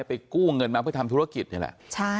กู้เงินมาเพื่อทำธุรกิจนี่แหละ